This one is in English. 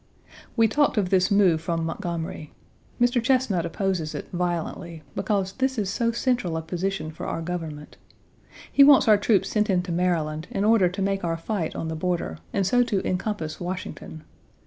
We talked of this move from Montgomery. Mr. Chesnut opposes it violently, because this is so central a position for our government. He wants our troops sent into Maryland in order to make our fight on the border, and so to encompass Washington.